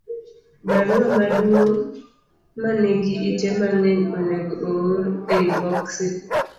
Barua maduong' ma nigi ite mang'eny onego oor e i boksi